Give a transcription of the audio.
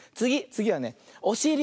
つぎはねおしり。